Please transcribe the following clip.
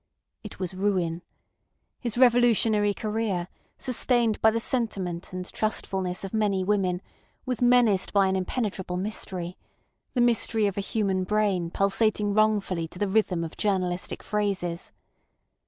It was ruin. His revolutionary career, sustained by the sentiment and trustfulness of many women, was menaced by an impenetrable mystery—the mystery of a human brain pulsating wrongfully to the rhythm of journalistic phrases.